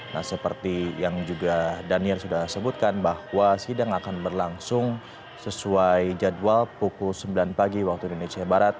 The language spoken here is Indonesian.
nah seperti yang juga daniel sudah sebutkan bahwa sidang akan berlangsung sesuai jadwal pukul sembilan pagi waktu indonesia barat